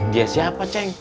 dia siapa ceng